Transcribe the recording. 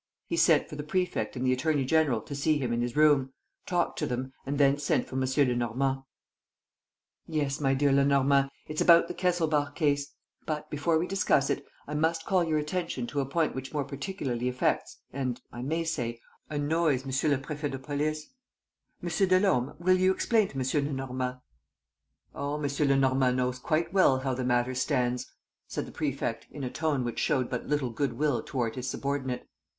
He sent for the prefect and the attorney general to see him in his room, talked to them and then sent for M. Lenormand. "Yes, my dear Lenormand, it's about the Kesselbach case. But, before we discuss it, I must call your attention to a point which more particularly affects and, I may say, annoys Monsieur le Préfet de Police. M. Delaume, will you explain to M. Lenormand ...? "Oh, M. Lenormand knows quite well how the matter stands," said the prefect, in a tone which showed but little good will toward his subordinate.